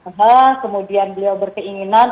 nah kemudian dia berkeinginan